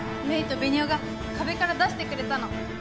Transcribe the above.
メイとベニオが壁から出してくれたの。